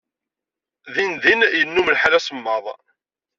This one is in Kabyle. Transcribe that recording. Dindin kan yennum lḥal asemmaḍ.